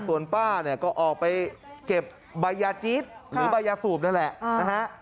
ส่วนป้าเนี่ยก็ออกไปเก็บใบยาจี๊ดหรือใบยาสูบนั่นแหละนะฮะ